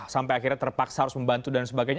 sampai akhirnya terpaksa harus membantu dan sebagainya